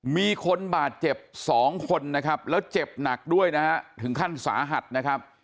มีคนบาดเจ็บ๒คนนะครับแล้วเจ็บหนักด้วยนะฮะถึงขั้นสาหัสนะครับ